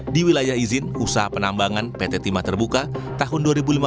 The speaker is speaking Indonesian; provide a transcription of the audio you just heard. di wilayah izin usaha penambangan pt timah terbuka tahun dua ribu lima belas dua ribu dua puluh dua